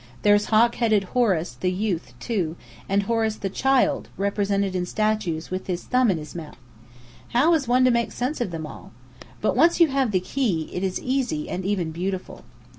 There's hawk headed Horus, the youth, too; and Horus the child, represented in statues with his thumb in his mouth. How is one to make sense of them all? But once you have the key, it is easy and even beautiful.